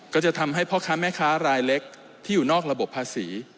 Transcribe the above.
ก็จะทำให้พ่อค้าแม่ค้ารายเล็กที่อยู่นอกระบบภาษี